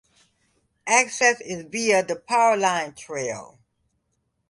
Access is via the Powerline Trail.